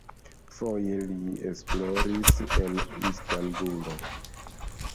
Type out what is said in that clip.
Foje li esploris en Istanbulo.